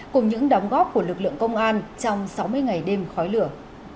cùng những đóng góp của lực lượng công an trong sáu mươi ngày đêm khói lửa